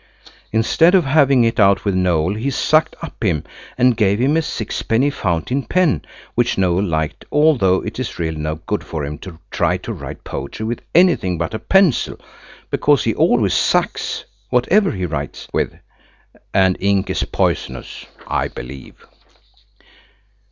Instead of having it out with Noël he sucked up him and gave him a sixpenny fountain pen which Noël liked, although it is really no good for him to try to write poetry with anything but a pencil, because he always sucks whatever he writes with, and ink is poisonous, I believe.